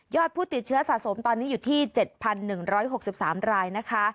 ผู้ติดเชื้อสะสมตอนนี้อยู่ที่๗๑๖๓รายนะคะ